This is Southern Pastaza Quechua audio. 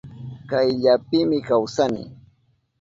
Kayllapimi kawsani.